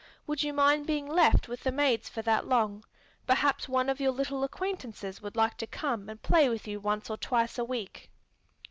Would you mind being left with the maids for that long? Perhaps one of your little acquaintances would like to come and play with you once or twice a week."